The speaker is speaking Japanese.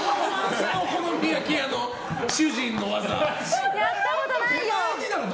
そのお好み焼き屋の主人の技。